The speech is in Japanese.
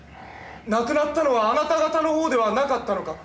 亡くなったのはあなた方の方ではなかったのか。